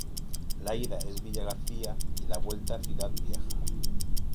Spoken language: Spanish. La ida es Villa García y la vuelta Ciudad Vieja.